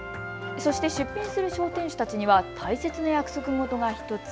そして出品する商店主たちには、大切な約束事が１つ。